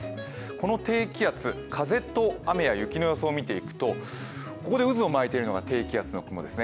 この低気圧、風と雨や雪の予想を見ていくとここで渦を巻いているのが低気圧の雲ですね。